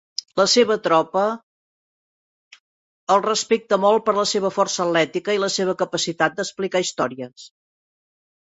La seva tropa el respecta molt per la seva força atlètica i la seva capacitat d'explicar històries.